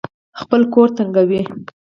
خپل ګور تنګوي.